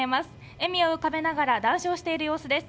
笑みを浮かべながら談笑している様子です。